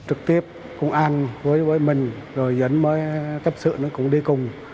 trực tiếp công an với mình rồi dẫn cấp xử nó cũng đi cùng